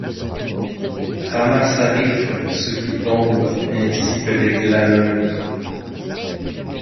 Ramassarif ce qui tombe, ainsi que des glaneuses ;